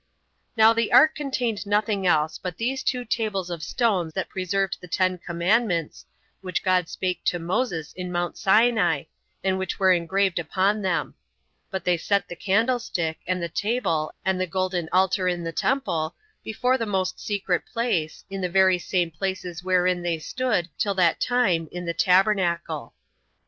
Now the ark contained nothing else but those two tables of stone that preserved the ten commandments, which God spake to Moses in Mount Sinai, and which were engraved upon them; but they set the candlestick, and the table, and the golden altar in the temple, before the most secret place, in the very same places wherein they stood till that time in the tabernacle.